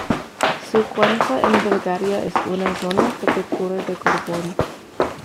Su cuenca en Bulgaria es una zona productora de carbón.